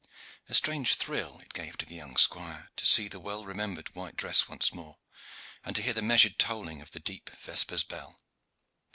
A strange thrill it gave to the young squire to see the well remembered white dress once more, and to hear the measured tolling of the deep vespers bell.